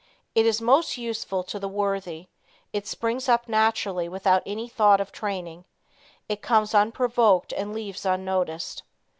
It is most useful to the worthy. It springs up naturally without any thought of training. It comes unprovoked and leaves unnoticed.